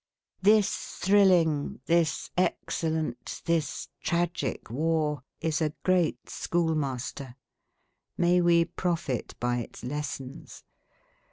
This thrilling, this excellent, this tragic War is a great Schoolmaster. May we profit by its lessons.